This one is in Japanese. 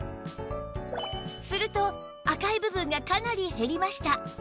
すると赤い部分がかなり減りました